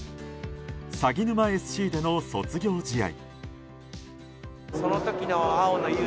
さぎぬまＳＣでの卒業試合。